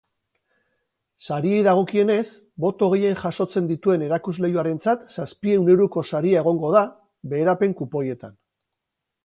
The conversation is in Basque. Sariei dagokienez, boto gehien jasotzen dituen erakusleihoarentzat zazpiehun euroko saria egongo da, beherapen-kupoietan